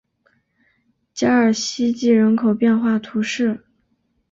加尔希济人口变化图示